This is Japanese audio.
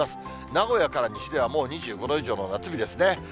名古屋から西ではもう２５度以上の夏日ですね。